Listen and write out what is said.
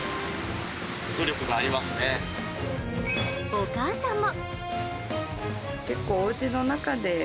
お母さんも。